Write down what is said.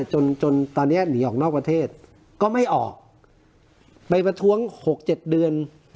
จนจนตอนนี้หนีออกนอกประเทศก็ไม่ออกไปประท้วง๖๗เดือน